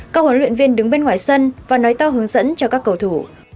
các huấn luyện viên đứng bên ngoài sân và nói to hướng dẫn cho các cầu thủ